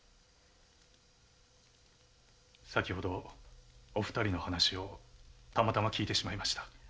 先ほどお二人のお話をたまたま聞いてしまいました。